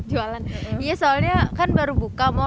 iya soalnya kan baru buka mall